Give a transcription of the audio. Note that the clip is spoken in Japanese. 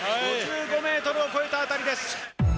５５メートルを超えた辺りです。